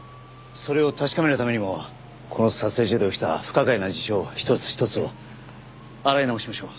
それを確かめるためにもこの撮影所で起きた不可解な事象一つ一つを洗い直しましょう。